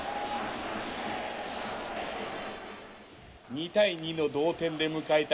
「２対２の同点で迎えた